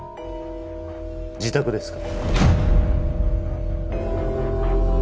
自宅ですか？